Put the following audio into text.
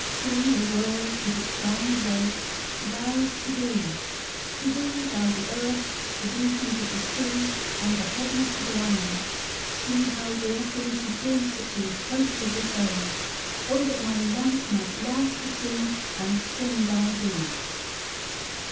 See, the world with its round weight bows to thee. To thee bow the earth, the regions of the sea and heaven sublime. See how all things rejoice at the approach of this age! O that my life might last to see and sing thy deeds!"